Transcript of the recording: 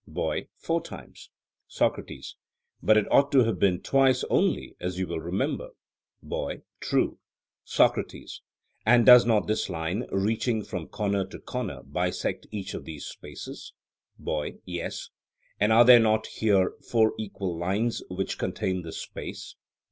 BOY: Four times. SOCRATES: But it ought to have been twice only, as you will remember. BOY: True. SOCRATES: And does not this line, reaching from corner to corner, bisect each of these spaces? BOY: Yes. SOCRATES: And are there not here four equal lines which contain this space?